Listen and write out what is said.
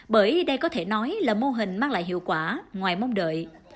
bởi đây có thể nói là mô hình mang lại hiệu quả ngoài mong đợi